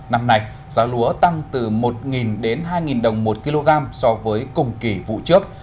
năm nay giá lúa tăng từ một đến hai đồng một kg so với cùng kỳ vụ trước